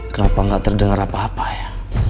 kenapa tidak terdengar apa apa